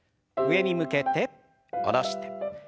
上に向けて下ろして。